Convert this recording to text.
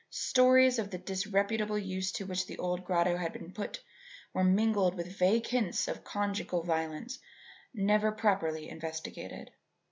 Stories of the disreputable use to which the old grotto had been put were mingled with vague hints of conjugal violence never properly investigated.